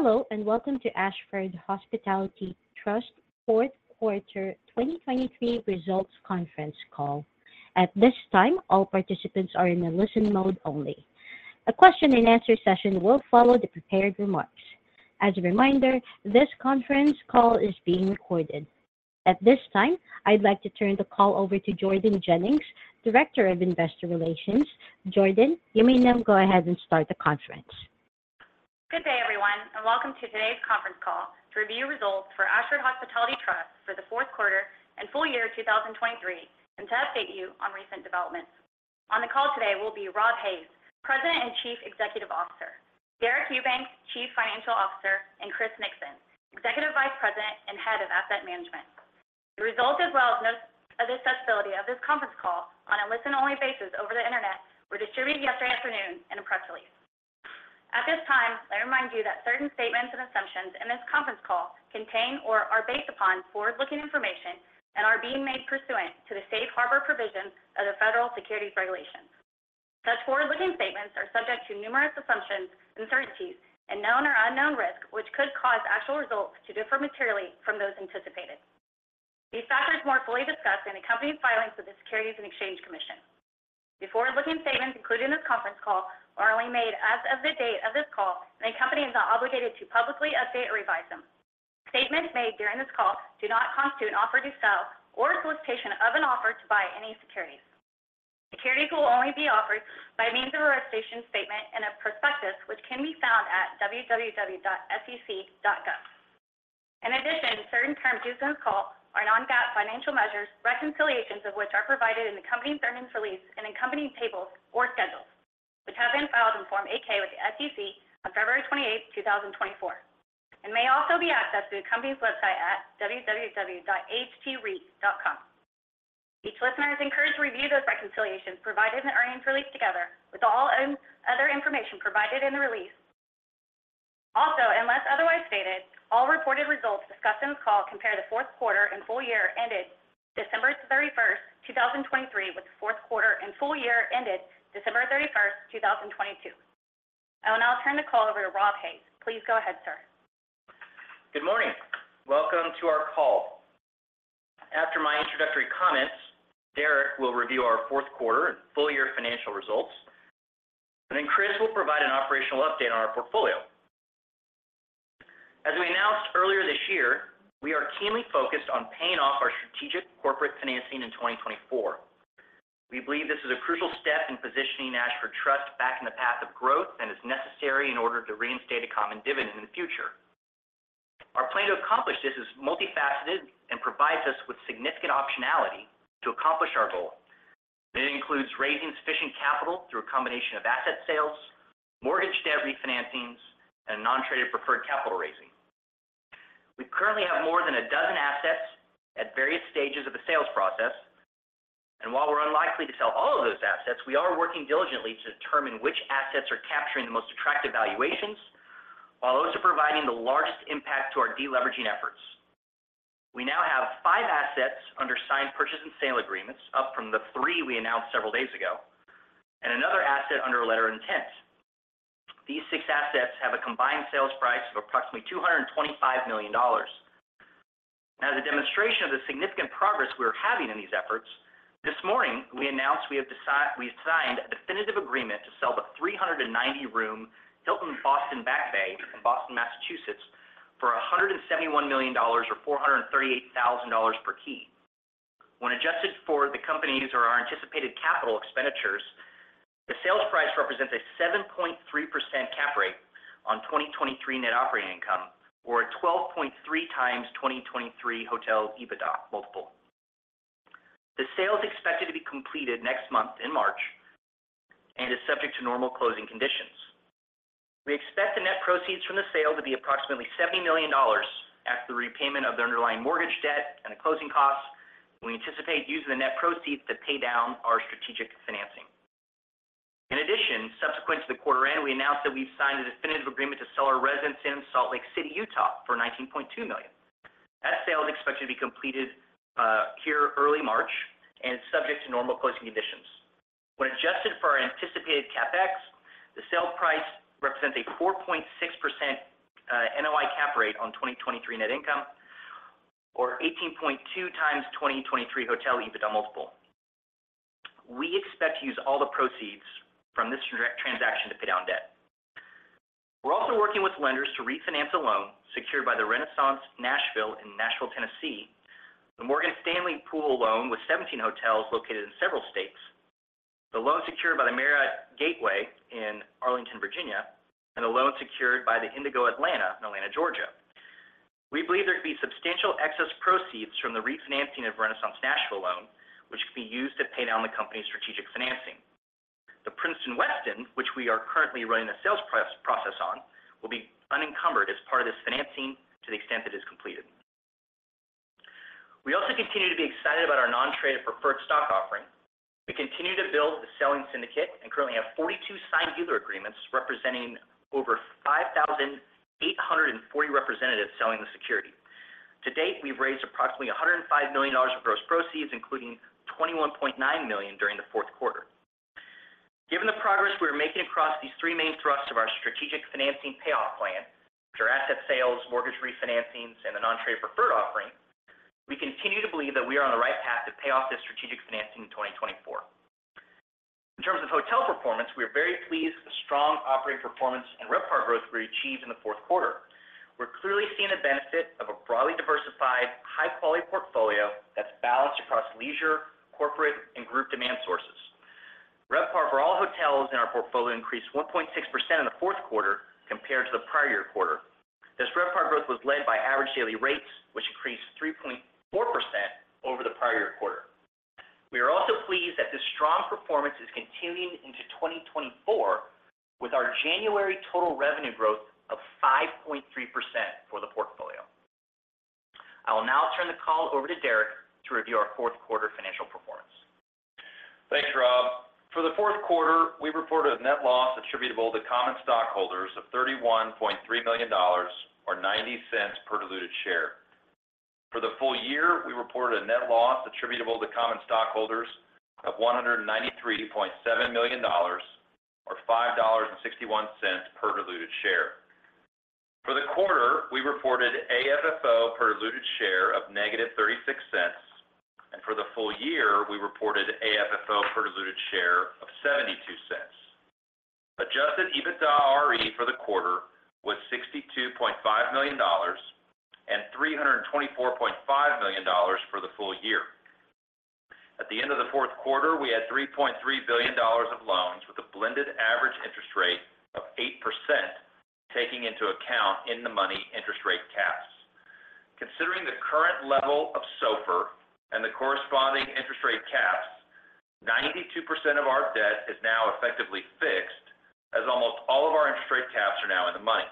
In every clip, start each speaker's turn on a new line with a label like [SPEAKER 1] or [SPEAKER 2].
[SPEAKER 1] Hello and welcome to Ashford Hospitality Trust Fourth Quarter 2023 Results Conference Call. At this time, all participants are in a listen mode only. A question-and-answer session will follow the prepared remarks. As a reminder, this conference call is being recorded. At this time, I'd like to turn the call over to Jordan Jennings, Director of Investor Relations. Jordan, you may now go ahead and start the conference.
[SPEAKER 2] Good day, everyone, and welcome to today's conference call to review results for Ashford Hospitality Trust for the fourth quarter and full year 2023 and to update you on recent developments. On the call today will be Rob Hays, President and Chief Executive Officer, Deric Eubanks, Chief Financial Officer, and Chris Nixon, Executive Vice President and Head of Asset Management. The results, as well as the availability of this conference call on a listen-only basis over the internet, were distributed yesterday afternoon in a press release. At this time, let me remind you that certain statements and assumptions in this conference call contain or are based upon forward-looking information and are being made pursuant to the safe harbor provisions of the federal securities regulations. Such forward-looking statements are subject to numerous assumptions and uncertainties and known or unknown risks which could cause actual results to differ materially from those anticipated. These factors are more fully discussed in accompanying filings with the Securities and Exchange Commission. The forward-looking statements included in this conference call are only made as of the date of this call, and the company is not obligated to publicly update or revise them. Statements made during this call do not constitute an offer to sell or a solicitation of an offer to buy any securities. Securities will only be offered by means of a registration statement and a prospectus which can be found at www.sec.gov. In addition, certain terms used in this call are non-GAAP financial measures reconciliations of which are provided in the company's earnings release and accompanying tables or schedules, which have been filed in Form 8-K with the SEC on February 28, 2024, and may also be accessed through the company's website at www.ahtreit.com. Each listener is encouraged to review those reconciliations provided in the earnings release together with all other information provided in the release. Also, unless otherwise stated, all reported results discussed in this call compare the fourth quarter and full year ended December 31, 2023, with the fourth quarter and full year ended December 31, 2022. I will now turn the call over to Rob Hays. Please go ahead, sir.
[SPEAKER 3] Good morning. Welcome to our call. After my introductory comments, Deric will review our fourth quarter and full year financial results, and then Chris will provide an operational update on our portfolio. As we announced earlier this year, we are keenly focused on paying off our strategic corporate financing in 2024. We believe this is a crucial step in positioning Ashford Trust back in the path of growth and is necessary in order to reinstate a common dividend in the future. Our plan to accomplish this is multifaceted and provides us with significant optionality to accomplish our goal. It includes raising sufficient capital through a combination of asset sales, mortgage debt refinancings, and non-traded preferred capital raising. We currently have more than a dozen assets at various stages of the sales process, and while we're unlikely to sell all of those assets, we are working diligently to determine which assets are capturing the most attractive valuations while those are providing the largest impact to our deleveraging efforts. We now have five assets under signed purchase and sale agreements, up from the three we announced several days ago, and another asset under a letter of intent. These six assets have a combined sales price of approximately $225 million. As a demonstration of the significant progress we're having in these efforts, this morning we announced we have signed a definitive agreement to sell the 390-room Hilton Boston Back Bay in Boston, Massachusetts, for $171 million or $438,000 per key. When adjusted for the companies or our anticipated capital expenditures, the sales price represents a 7.3% Cap Rate on 2023 Net Operating Income or a 12.3x 2023 hotel EBITDA multiple. The sale is expected to be completed next month in March and is subject to normal closing conditions. We expect the net proceeds from the sale to be approximately $70 million after the repayment of the underlying mortgage debt and the closing costs. We anticipate using the net proceeds to pay down our strategic financing. In addition, subsequent to the quarter-end, we announced that we've signed a definitive agreement to sell our Residence Inn Salt Lake City, Utah, for $19.2 million. That sale is expected to be completed here early March and is subject to normal closing conditions. When adjusted for our anticipated CapEx, the sale price represents a 4.6% NOI Cap Rate on 2023 net income or 18.2x 2023 hotel EBITDA multiple. We expect to use all the proceeds from this transaction to pay down debt. We're also working with lenders to refinance a loan secured by the Renaissance Nashville in Nashville, Tennessee, the Morgan Stanley Pool loan with 17 hotels located in several states, the loan secured by the Marriott Gateway in Arlington, Virginia, and the loan secured by the Indigo Atlanta in Atlanta, Georgia. We believe there could be substantial excess proceeds from the refinancing of the Renaissance Nashville loan, which could be used to pay down the company's strategic financing. The Westin Princeton, which we are currently running a sales process on, will be unencumbered as part of this financing to the extent that it is completed. We also continue to be excited about our non-traded preferred stock offering. We continue to build the selling syndicate and currently have 42 signed dealer agreements representing over 5,840 representatives selling the security. To date, we've raised approximately $105 million of gross proceeds, including $21.9 million during the fourth quarter. Given the progress we are making across these three main thrusts of our strategic financing payoff plan, which are asset sales, mortgage refinancings, and the non-traded preferred offering, we continue to believe that we are on the right path to pay off this strategic financing in 2024. In terms of hotel performance, we are very pleased with the strong operating performance and RevPAR growth we achieved in the fourth quarter. We're clearly seeing the benefit of a broadly diversified, high-quality portfolio that's balanced across leisure, corporate, and group demand sources. RevPAR for all hotels in our portfolio increased 1.6% in the fourth quarter compared to the prior year quarter. This RevPAR growth was led by average daily rates, which increased 3.4% over the prior year quarter. We are also pleased that this strong performance is continuing into 2024 with our January total revenue growth of 5.3% for the portfolio. I will now turn the call over to Deric to review our fourth quarter financial performance.
[SPEAKER 4] Thanks, Rob. For the fourth quarter, we reported a net loss attributable to common stockholders of $31.3 million or $0.90 per diluted share. For the full year, we reported a net loss attributable to common stockholders of $193.7 million or $5.61 per diluted share. For the quarter, we reported AFFO per diluted share of -$0.36, and for the full year, we reported AFFO per diluted share of $0.72. Adjusted EBITDAre for the quarter was $62.5 million and $324.5 million for the full year. At the end of the fourth quarter, we had $3.3 billion of loans with a blended average interest rate of 8% taking into account in-the-money interest rate caps. Considering the current level of SOFR and the corresponding interest rate caps, 92% of our debt is now effectively fixed as almost all of our interest rate caps are now in the money.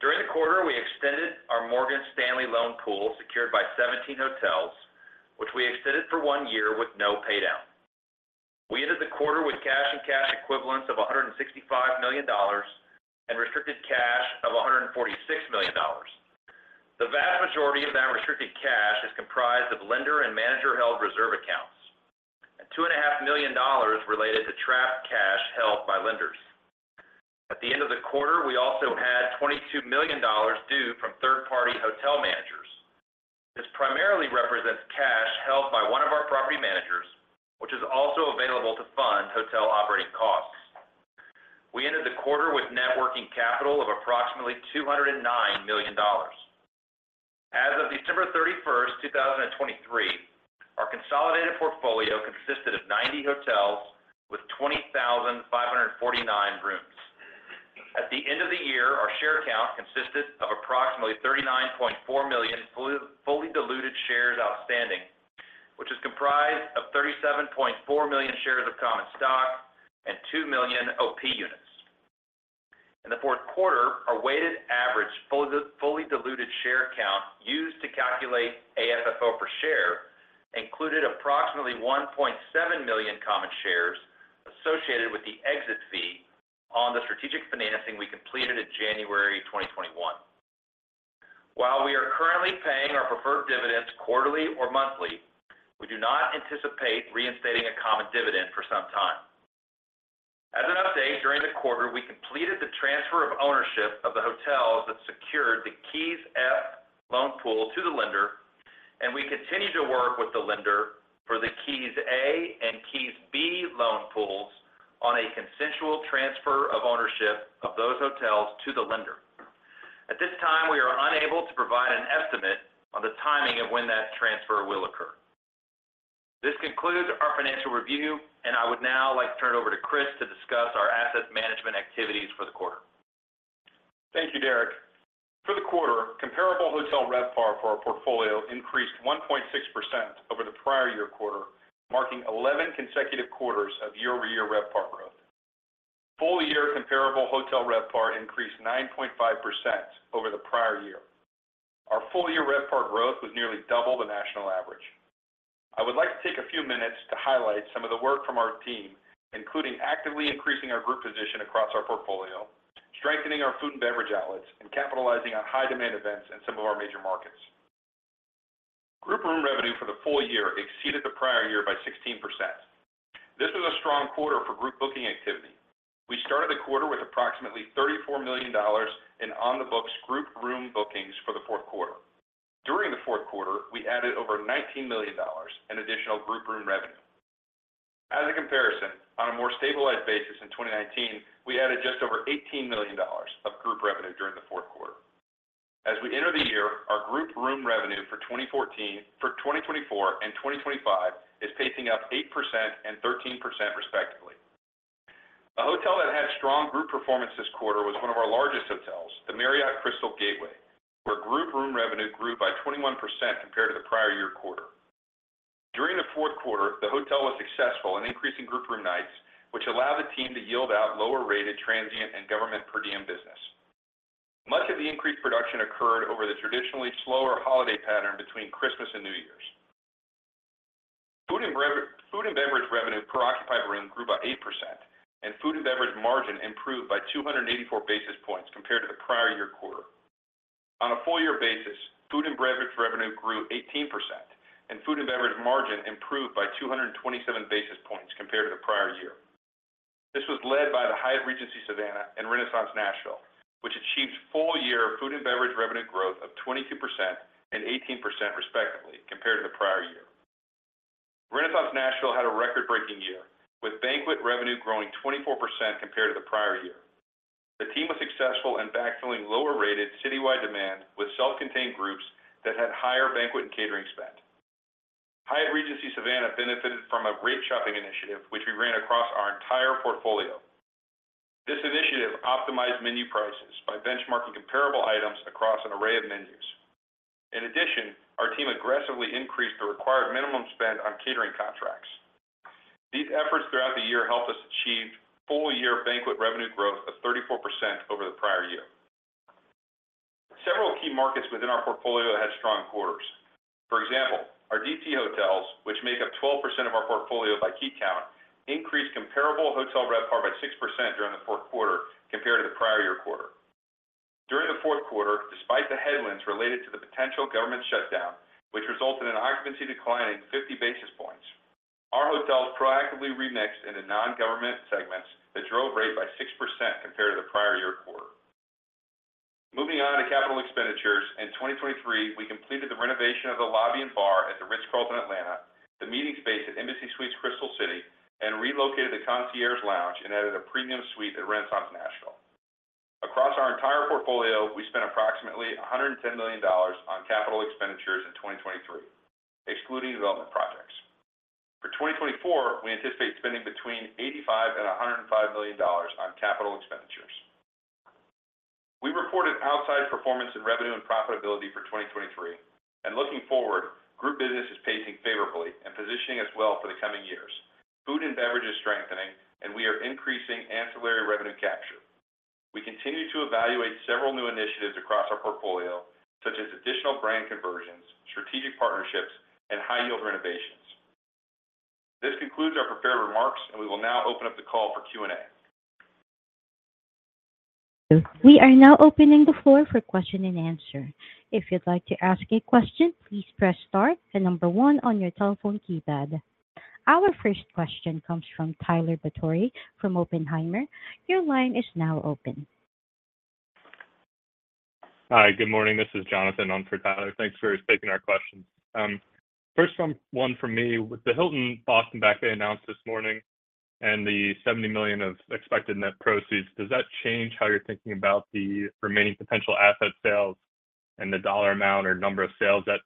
[SPEAKER 4] During the quarter, we extended our Morgan Stanley loan pool secured by 17 hotels, which we extended for one year with no paydown. We ended the quarter with cash and cash equivalents of $165 million and restricted cash of $146 million. The vast majority of that restricted cash is comprised of lender and manager-held reserve accounts and $2.5 million related to trapped cash held by lenders. At the end of the quarter, we also had $22 million due from third-party hotel managers. This primarily represents cash held by one of our property managers, which is also available to fund hotel operating costs. We ended the quarter with net working capital of approximately $209 million. As of December 31, 2023, our consolidated portfolio consisted of 90 hotels with 20,549 rooms. At the end of the year, our share count consisted of approximately 39.4 million fully diluted shares outstanding, which is comprised of 37.4 million shares of common stock and 2 million OP units. In the fourth quarter, our weighted average fully diluted share count used to calculate AFFO per share included approximately 1.7 million common shares associated with the exit fee on the strategic financing we completed in January 2021. While we are currently paying our preferred dividends quarterly or monthly, we do not anticipate reinstating a common dividend for some time. As an update, during the quarter, we completed the transfer of ownership of the hotels that secured the KEYS F loan pool to the lender, and we continue to work with the lender for the KEYS A and KEYS B loan pools on a consensual transfer of ownership of those hotels to the lender. At this time, we are unable to provide an estimate on the timing of when that transfer will occur. This concludes our financial review, and I would now like to turn it over to Chris to discuss our asset management activities for the quarter.
[SPEAKER 5] Thank you, Deric. For the quarter, comparable hotel RevPAR for our portfolio increased 1.6% over the prior year quarter, marking 11 consecutive quarters of year-over-year RevPAR growth. Full year comparable hotel RevPAR increased 9.5% over the prior year. Our full year RevPAR growth was nearly double the national average. I would like to take a few minutes to highlight some of the work from our team, including actively increasing our group position across our portfolio, strengthening our food and beverage outlets, and capitalizing on high-demand events in some of our major markets. Group room revenue for the full year exceeded the prior year by 16%. This was a strong quarter for group booking activity. We started the quarter with approximately $34 million in on-the-books group room bookings for the fourth quarter. During the fourth quarter, we added over $19 million in additional group room revenue. As a comparison, on a more stabilized basis in 2019, we added just over $18 million of group revenue during the fourth quarter. As we enter the year, our group room revenue for 2024 and 2025 is pacing up 8% and 13% respectively. A hotel that had strong group performance this quarter was one of our largest hotels, the Marriott Crystal Gateway, where group room revenue grew by 21% compared to the prior year quarter. During the fourth quarter, the hotel was successful in increasing group room nights, which allowed the team to yield out lower-rated transient and government per diem business. Much of the increased production occurred over the traditionally slower holiday pattern between Christmas and New Year's. Food and beverage revenue per occupied room grew by 8%, and food and beverage margin improved by 284 basis points compared to the prior year quarter. On a full year basis, food and beverage revenue grew 18%, and food and beverage margin improved by 227 basis points compared to the prior year. This was led by the Hyatt Regency Savannah and Renaissance Nashville, which achieved full year food and beverage revenue growth of 22% and 18% respectively compared to the prior year. Renaissance Nashville had a record-breaking year, with banquet revenue growing 24% compared to the prior year. The team was successful in backfilling lower-rated citywide demand with self-contained groups that had higher banquet and catering spend. Hyatt Regency Savannah benefited from a rate-shopping initiative, which we ran across our entire portfolio. This initiative optimized menu prices by benchmarking comparable items across an array of menus. In addition, our team aggressively increased the required minimum spend on catering contracts. These efforts throughout the year helped us achieve full year banquet revenue growth of 34% over the prior year. Several key markets within our portfolio had strong quarters. For example, our D.C. hotels, which make up 12% of our portfolio by key count, increased comparable hotel RevPAR by 6% during the fourth quarter compared to the prior year quarter. During the fourth quarter, despite the headwinds related to the potential government shutdown, which resulted in occupancy declining 50 basis points, our hotels proactively remixed into non-government segments that drove rate by 6% compared to the prior year quarter. Moving on to capital expenditures, in 2023, we completed the renovation of the lobby and bar at the Ritz-Carlton Atlanta, the meeting space at Embassy Suites Crystal City, and relocated the Concierge Lounge and added a premium suite at Renaissance Nashville. Across our entire portfolio, we spent approximately $110 million on capital expenditures in 2023, excluding development projects. For 2024, we anticipate spending between $85-$105 million on capital expenditures. We reported outsize performance in revenue and profitability for 2023. Looking forward, group business is pacing favorably and positioning us well for the coming years. Food and beverage is strengthening, and we are increasing ancillary revenue capture. We continue to evaluate several new initiatives across our portfolio, such as additional brand conversions, strategic partnerships, and high-yield renovations. This concludes our prepared remarks, and we will now open up the call for Q&A.
[SPEAKER 1] We are now opening the floor for question and answer. If you'd like to ask a question, please press star and number one on your telephone keypad. Our first question comes from Tyler Batory from Oppenheimer. Your line is now open.
[SPEAKER 6] Hi, good morning. This is Jonathan on for, Tyler. Thanks for taking our questions. First, one from me. The Hilton Boston Back Bay announced this morning the $70 million of expected net proceeds. Does that change how you're thinking about the remaining potential asset sales and the dollar amount or number of sales that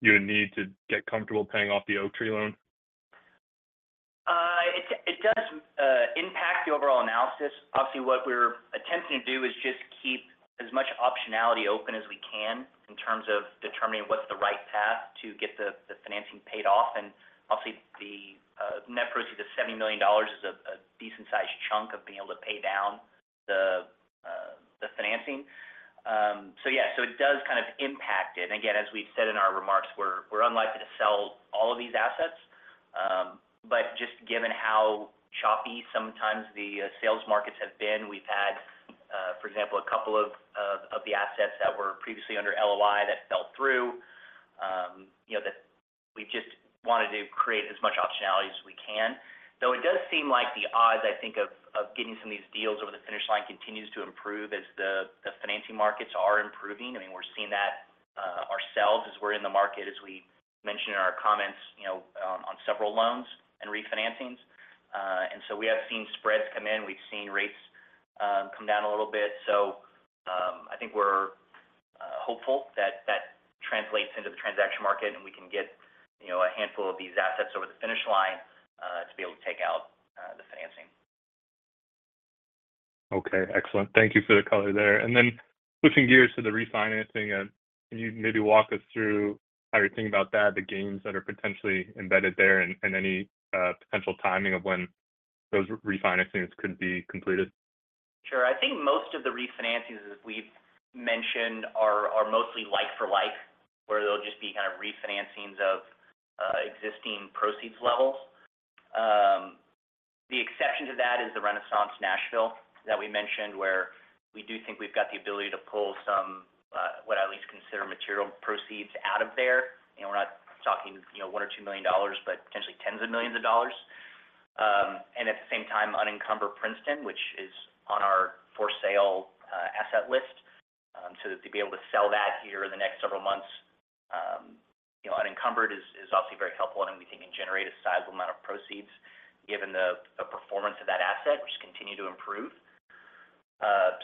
[SPEAKER 6] you would need to get comfortable paying off the Oaktree loan?
[SPEAKER 3] It does impact the overall analysis. Obviously, what we're attempting to do is just keep as much optionality open as we can in terms of determining what's the right path to get the financing paid off. Obviously, the net proceeds, the $70 million, is a decent-sized chunk of being able to pay down the financing. So yeah, so it does kind of impact it. And again, as we've said in our remarks, we're unlikely to sell all of these assets. But just given how choppy sometimes the sales markets have been, we've had, for example, a couple of the assets that were previously under LOI that fell through. We've just wanted to create as much optionality as we can. Though it does seem like the odds, I think, of getting some of these deals over the finish line continues to improve as the financing markets are improving. I mean, we're seeing that ourselves as we're in the market, as we mentioned in our comments on several loans and refinancings. And so we have seen spreads come in. We've seen rates come down a little bit. So I think we're hopeful that that translates into the transaction market, and we can get a handful of these assets over the finish line to be able to take out the financing.
[SPEAKER 6] Okay. Excellent. Thank you for the color there. Then switching gears to the refinancing, can you maybe walk us through how you're thinking about that, the gains that are potentially embedded there, and any potential timing of when those refinancings could be completed?
[SPEAKER 3] Sure. I think most of the refinancings, as we've mentioned, are mostly like-for-like, where they'll just be kind of refinancings of existing proceeds levels. The exception to that is the Renaissance Nashville that we mentioned, where we do think we've got the ability to pull some somewhat I at least consider material proceeds out of there. We're not talking $1 or $2 million, but potentially tens of millions of dollars. And at the same time, unencumbered Princeton, which is on our for-sale asset list. So to be able to sell that here in the next several months unencumbered is obviously very helpful, and we think can generate a sizable amount of proceeds given the performance of that asset, which is continuing to improve.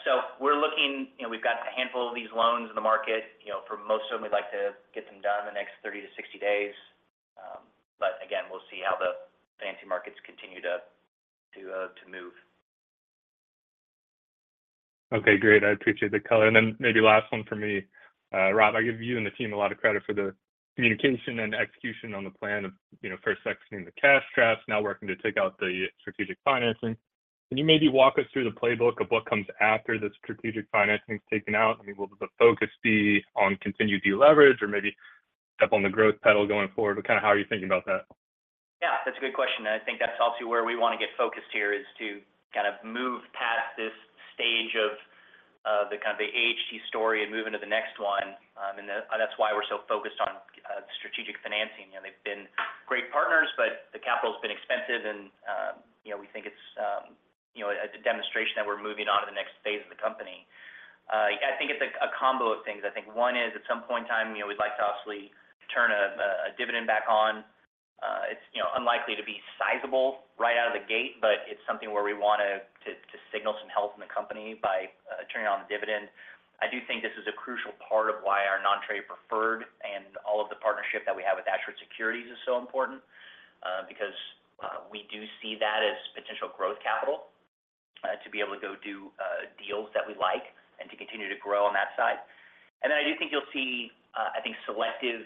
[SPEAKER 3] So we're looking. We've got a handful of these loans in the market. For most of them, we'd like to get them done in the next 30-60 days. But again, we'll see how the financing markets continue to move.
[SPEAKER 6] Okay. Great. I appreciate the color. And then maybe last one from me. Rob, I give you and the team a lot of credit for the communication and execution on the plan of first sectioning the cash traps, now working to take out the strategic financing. Can you maybe walk us through the playbook of what comes after the strategic financing is taken out? I mean, will the focus be on continued de-leverage or maybe step on the growth pedal going forward? Kind of how are you thinking about that?
[SPEAKER 3] Yeah, that's a good question. And I think that's obviously where we want to get focused here, is to kind of move past this stage of the kind of the AHT story and move into the next one. And that's why we're so focused on strategic financing. They've been great partners, but the capital's been expensive, and we think it's a demonstration that we're moving on to the next phase of the company. I think it's a combo of things. I think one is at some point in time, we'd like to obviously turn a dividend back on. It's unlikely to be sizable right out of the gate, but it's something where we want to signal some health in the company by turning on the dividend. I do think this is a crucial part of why our non-traded preferred and all of the partnership that we have with Ashford Securities is so important because we do see that as potential growth capital to be able to go do deals that we like and to continue to grow on that side. And then I do think you'll see, I think, selective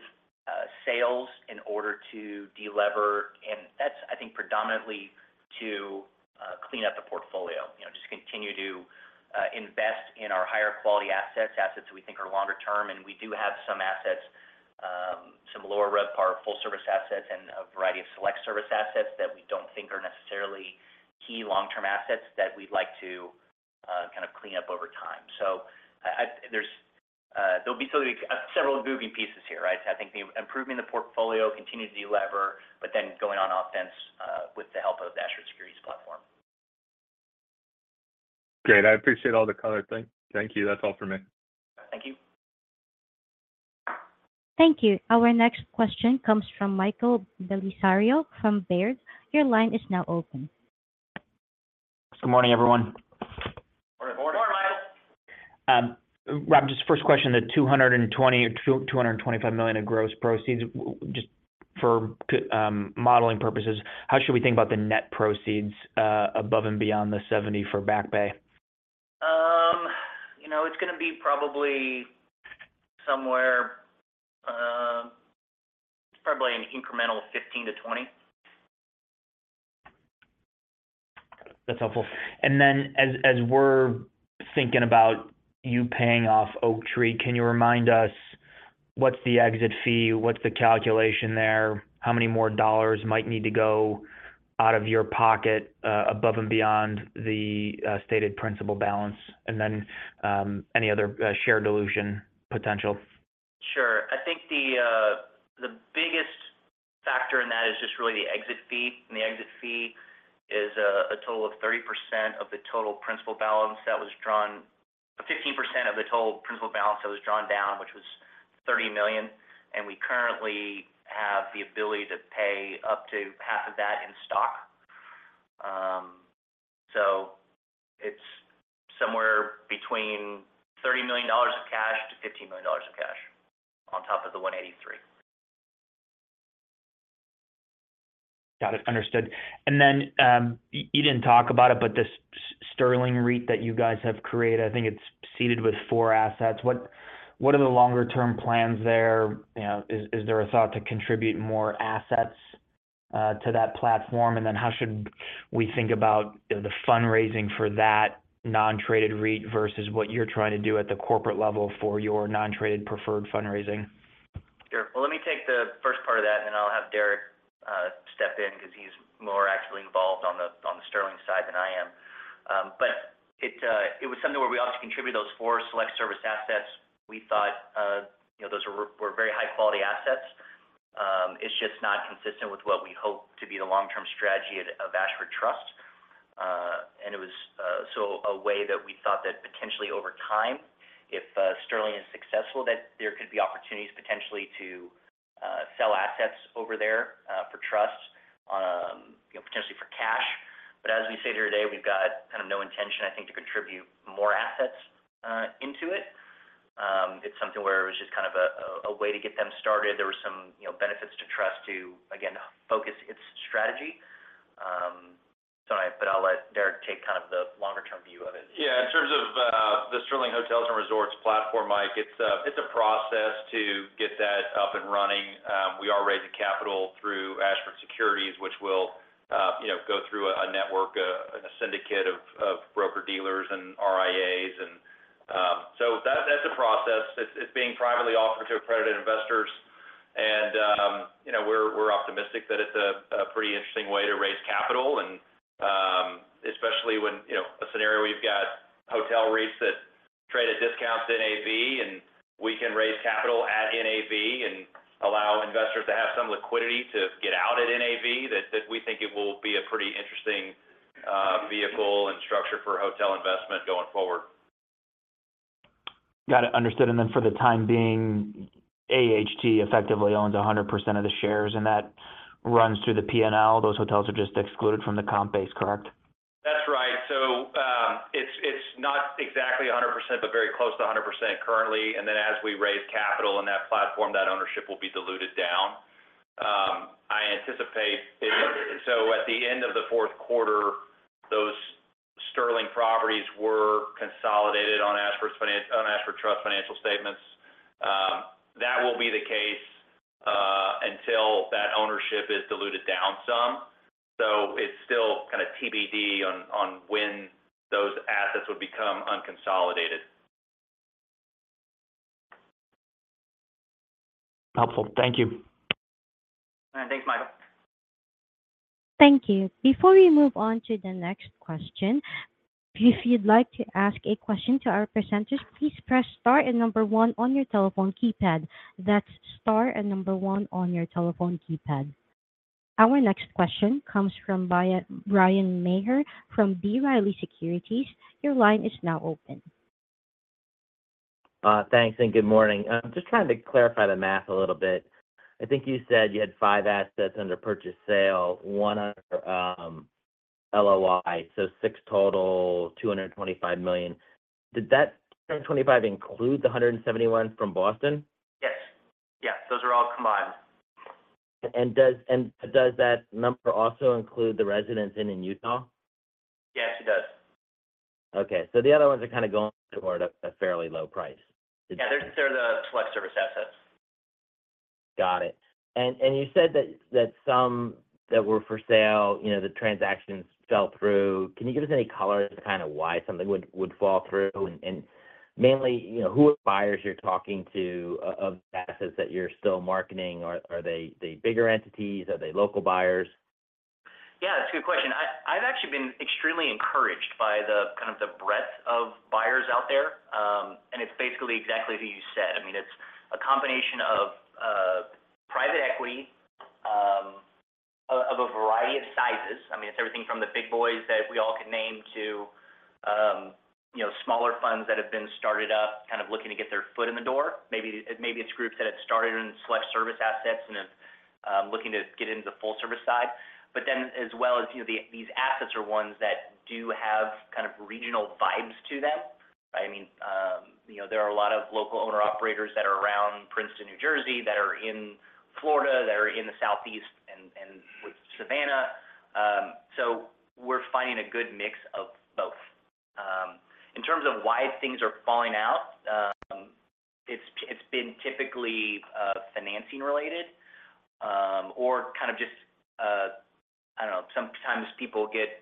[SPEAKER 3] sales in order to de-lever. And that's, I think, predominantly to clean up the portfolio, just continue to invest in our higher-quality assets, assets that we think are longer term. And we do have some assets, some lower RevPAR full-service assets and a variety of select-service assets that we don't think are necessarily key long-term assets that we'd like to kind of clean up over time. So there'll be several moving pieces here, right? I think improving the portfolio, continuing to de-lever, but then going on offense with the help of the Ashford Securities platform.
[SPEAKER 6] Great. I appreciate all the color. Thank you. That's all from me.
[SPEAKER 3] Thank you.
[SPEAKER 1] Thank you. Our next question comes from Michael Bellisario from Baird. Your line is now open.
[SPEAKER 7] Good morning, everyone.
[SPEAKER 4] Morning, Morning.
[SPEAKER 3] Morning, Michael.
[SPEAKER 7] Rob, just first question, the $220 million or $225 million of gross proceeds, just for modeling purposes, how should we think about the net proceeds above and beyond the $70 for Back Bay?
[SPEAKER 3] It's going to be probably somewhere it's probably an incremental 15-20.
[SPEAKER 7] That's helpful. And then as we're thinking about you paying off Oaktree, can you remind us what's the exit fee? What's the calculation there? How many more dollars might need to go out of your pocket above and beyond the stated principal balance? And then any other share dilution potential?
[SPEAKER 3] Sure. I think the biggest factor in that is just really the exit fee. The exit fee is a total of 30% of the total principal balance that was drawn a 15% of the total principal balance that was drawn down, which was $30 million. We currently have the ability to pay up to half of that in stock. It's somewhere between $30 million of cash to $15 million of cash on top of the $183 million.
[SPEAKER 7] Got it. Understood. And then you didn't talk about it, but this Stirling REIT that you guys have created, I think it's seeded with four assets. What are the longer-term plans there? Is there a thought to contribute more assets to that platform? And then how should we think about the fundraising for that non-traded REIT versus what you're trying to do at the corporate level for your non-traded preferred fundraising?
[SPEAKER 3] Sure. Well, let me take the first part of that, and then I'll have Deric step in because he's more actively involved on the Stirling side than I am. But it was something where we obviously contributed those four select-service assets. We thought those were very high-quality assets. It's just not consistent with what we hope to be the long-term strategy of Ashford Trust. And it was so a way that we thought that potentially over time, if Stirling is successful, that there could be opportunities potentially to sell assets over there for trust, potentially for cash. But as we say here today, we've got kind of no intention, I think, to contribute more assets into it. It's something where it was just kind of a way to get them started. There were some benefits to trust to, again, focus its strategy. I'll let Deric take kind of the longer-term view of it.
[SPEAKER 4] Yeah. In terms of the Stirling Hotels & Resorts platform, Mike, it's a process to get that up and running. We are raising capital through Ashford Securities, which will go through a network, a syndicate of broker-dealers and RIAs. And so that's a process. It's being privately offered to accredited investors. And we're optimistic that it's a pretty interesting way to raise capital, especially when a scenario where you've got hotel REITs that trade at discounts at NAV, and we can raise capital at NAV and allow investors to have some liquidity to get out at NAV, that we think it will be a pretty interesting vehicle and structure for hotel investment going forward.
[SPEAKER 7] Got it. Understood. And then for the time being, AHT effectively owns 100% of the shares, and that runs through the P&L. Those hotels are just excluded from the comp base, correct?
[SPEAKER 4] That's right. So it's not exactly 100%, but very close to 100% currently. And then as we raise capital in that platform, that ownership will be diluted down. I anticipate so at the end of the fourth quarter, those Stirling properties were consolidated on Ashford Trust financial statements. That will be the case until that ownership is diluted down some. So it's still kind of TBD on when those assets would become unconsolidated.
[SPEAKER 7] Helpful. Thank you.
[SPEAKER 3] All right. Thanks, Michael.
[SPEAKER 1] Thank you. Before we move on to the next question, if you'd like to ask a question to our presenters, please press Star and number one on your telephone keypad. That's Star and number one on your telephone keypad. Our next question comes from Bryan Maher from B. Riley Securities. Your line is now open.
[SPEAKER 8] Thanks. Good morning. I'm just trying to clarify the math a little bit. I think you said you had 5 assets under purchase sale, 1 under LOI, so 6 total, $225 million. Did that $225 million include the $171 from Boston?
[SPEAKER 4] Yes. Yeah. Those are all combined.
[SPEAKER 8] Does that number also include the residents in Utah?
[SPEAKER 4] Yes, it does.
[SPEAKER 8] Okay. So the other ones are kind of going toward a fairly low price.
[SPEAKER 4] Yeah. They're the select-service assets.
[SPEAKER 8] Got it. And you said that some that were for sale, the transactions fell through. Can you give us any color to kind of why something would fall through? And mainly, who are buyers you're talking to of the assets that you're still marketing? Are they bigger entities? Are they local buyers?
[SPEAKER 4] Yeah. That's a good question. I've actually been extremely encouraged by kind of the breadth of buyers out there. And it's basically exactly as you said. I mean, it's a combination of private equity of a variety of sizes. I mean, it's everything from the big boys that we all can name to smaller funds that have been started up kind of looking to get their foot in the door. Maybe it's groups that have started in select-service assets and are looking to get into the full-service side. But then as well as these assets are ones that do have kind of regional vibes to them, right? I mean, there are a lot of local owner-operators that are around Princeton, New Jersey, that are in Florida, that are in the Southeast, and with Savannah. So we're finding a good mix of both. In terms of why things are falling out, it's been typically financing-related or kind of just, I don't know. Sometimes people get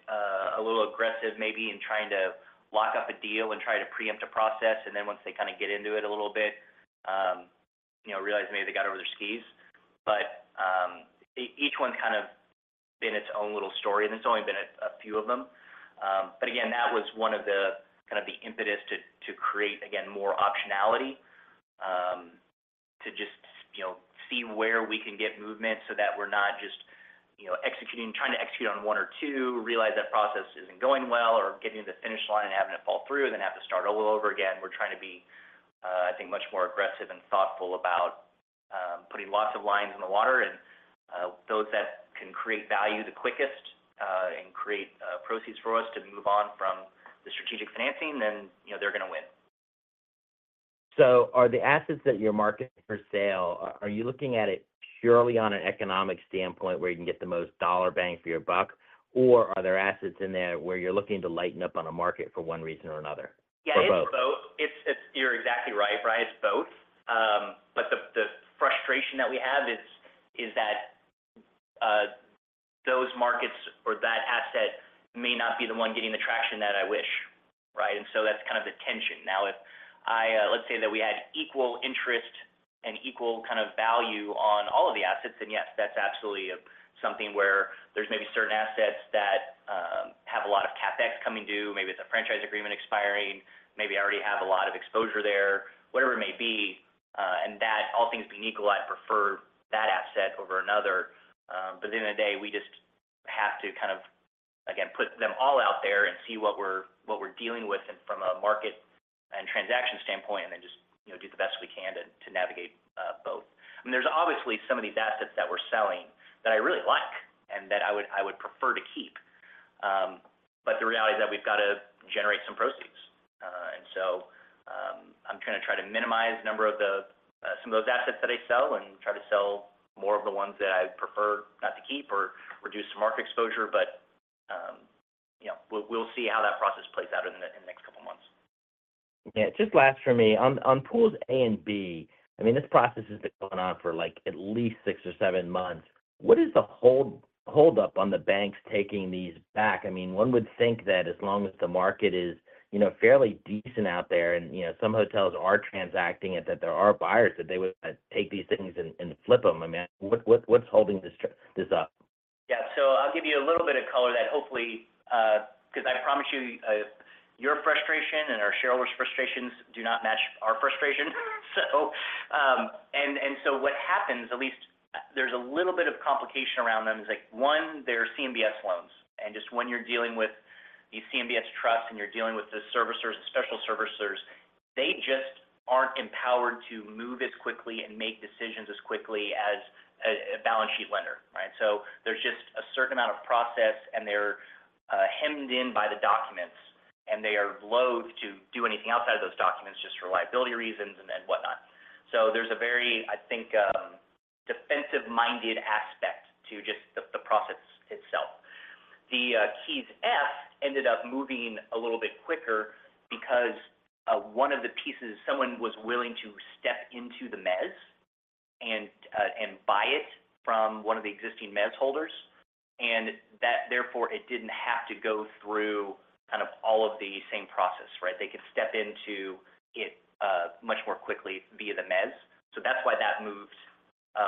[SPEAKER 4] a little aggressive maybe in trying to lock up a deal and try to preempt a process. And then once they kind of get into it a little bit, realize maybe they got over their skis. But each one's kind of been its own little story, and it's only been a few of them. But again, that was one of the kind of the impetus to create, again, more optionality, to just see where we can get movement so that we're not just trying to execute on one or two, realize that process isn't going well, or getting to the finish line and having it fall through, and then have to start all over again. We're trying to be, I think, much more aggressive and thoughtful about putting lots of lines in the water. Those that can create value the quickest and create proceeds for us to move on from the strategic financing, then they're going to win.
[SPEAKER 8] So are the assets that you're marketing for sale, are you looking at it purely on an economic standpoint where you can get the most dollar bang for your buck, or are there assets in there where you're looking to lighten up on a market for one reason or another? Or both?
[SPEAKER 3] Yeah. It's both. You're exactly right, right? It's both. But the frustration that we have is that those markets or that asset may not be the one getting the traction that I wish, right? And so that's kind of the tension. Now, let's say that we had equal interest and equal kind of value on all of the assets, then yes, that's absolutely something where there's maybe certain assets that have a lot of CapEx coming due. Maybe it's a franchise agreement expiring. Maybe I already have a lot of exposure there, whatever it may be. And all things being equal, I'd prefer that asset over another. But at the end of the day, we just have to kind of, again, put them all out there and see what we're dealing with from a market and transaction standpoint, and then just do the best we can to navigate both. I mean, there's obviously some of these assets that we're selling that I really like and that I would prefer to keep. But the reality is that we've got to generate some proceeds. And so I'm trying to minimize the number of some of those assets that I sell and try to sell more of the ones that I prefer not to keep or reduce some market exposure. But we'll see how that process plays out in the next couple of months.
[SPEAKER 8] Yeah. Just last for me. On pools A and B, I mean, this process has been going on for at least six or seven months. What is the holdup on the banks taking these back? I mean, one would think that as long as the market is fairly decent out there and some hotels are transacting it, that there are buyers that they would take these things and flip them. I mean, what's holding this up?
[SPEAKER 3] Yeah. So I'll give you a little bit of color that hopefully, because I promise you, your frustration and our shareholders' frustrations do not match our frustration, so. And so what happens, at least there's a little bit of complication around them. It's like, one, they're CMBS loans. And just when you're dealing with these CMBS trusts and you're dealing with the servicers and special servicers, they just aren't empowered to move as quickly and make decisions as quickly as a balance sheet lender, right? So there's just a certain amount of process, and they're hemmed in by the documents, and they are loath to do anything outside of those documents just for liability reasons and whatnot. So there's a very, I think, defensive-minded aspect to just the process itself. The KEYS F ended up moving a little bit quicker because one of the pieces, someone was willing to step into the mezz and buy it from one of the existing mezz holders. Therefore, it didn't have to go through kind of all of the same process, right? They could step into it much more quickly via the mezz. That's why that moved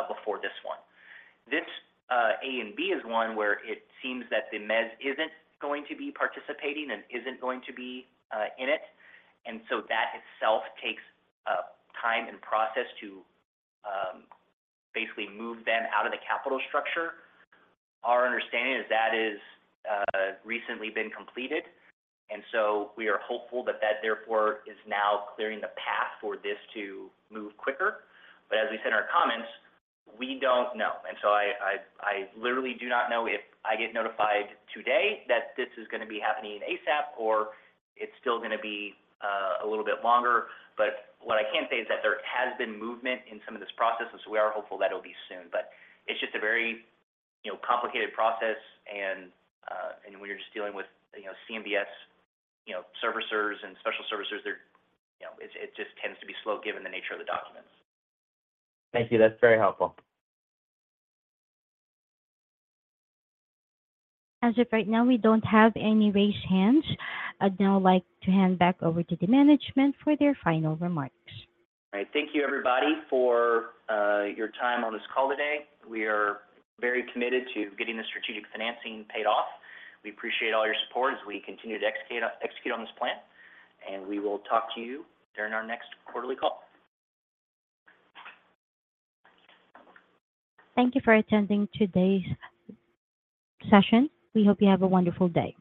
[SPEAKER 3] before this one. This A and B is one where it seems that the mezz isn't going to be participating and isn't going to be in it. So that itself takes time and process to basically move them out of the capital structure. Our understanding is that has recently been completed. So we are hopeful that that, therefore, is now clearing the path for this to move quicker. But as we said in our comments, we don't know. And so I literally do not know if I get notified today that this is going to be happening ASAP or it's still going to be a little bit longer. But what I can say is that there has been movement in some of this process. And so we are hopeful that it'll be soon. But it's just a very complicated process. And when you're just dealing with CMBS servicers and special servicers, it just tends to be slow given the nature of the documents.
[SPEAKER 8] Thank you. That's very helpful.
[SPEAKER 1] As of right now, we don't have any raised hands. I'd now like to hand back over to the management for their final remarks.
[SPEAKER 3] All right. Thank you, everybody, for your time on this call today. We are very committed to getting the strategic financing paid off. We appreciate all your support as we continue to execute on this plan. We will talk to you during our next quarterly call.
[SPEAKER 1] Thank you for attending today's session. We hope you have a wonderful day.